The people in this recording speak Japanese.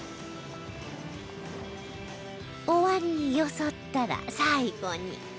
おわんによそったら最後に